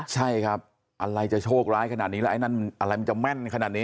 ใช่ครับอะไรจะโชคร้ายขนาดนี้แล้วไอ้นั่นอะไรมันจะแม่นขนาดนี้